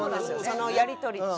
そのやり取りって。